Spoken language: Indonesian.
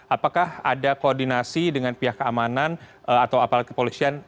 apakah ada koordinasi dengan pihak keamanan atau aparat kepolisian